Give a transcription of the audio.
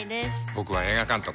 僕は映画監督。